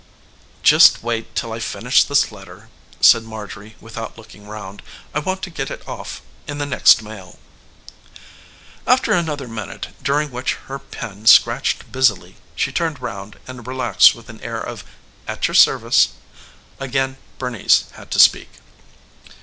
"Just wait till I finish this letter," said Marjorie without looking round. "I want to get it off in the next mail." After another minute, during which her pen scratched busily, she turned round and relaxed with an air of "at your service." Again Bernice had to speak.